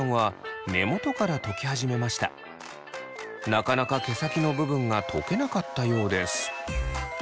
なかなか毛先の部分がとけなかったようです。